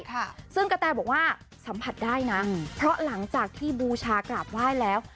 ค่ะซึ่งกระแตบอกว่าสัมผัสได้นะเพราะหลังจากที่บูชากราบไหว้แล้ว